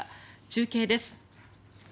中継です。